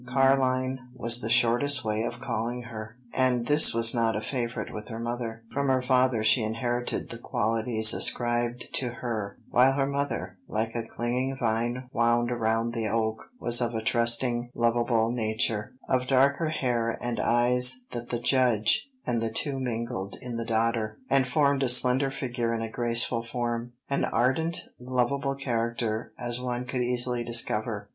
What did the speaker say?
Carline was the shortest way of calling her, and this was not a favorite with her mother. From her father she inherited the qualities ascribed to her, while her mother, like a clinging vine wound around the oak, was of a trusting, lovable, nature, of darker hair and eyes than the Judge; and the two mingled in the daughter, and formed a slender figure and a graceful form, an ardent, lovable character, as one could easily discover.